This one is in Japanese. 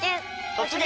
「突撃！